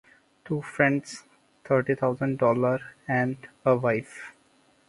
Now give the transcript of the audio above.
Two friends, thirty thousand dollars... and a wife.